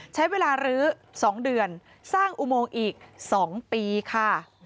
ใช้เวลารื้อ๒เดือนสร้างอุโมงอีก๒ปีค่ะ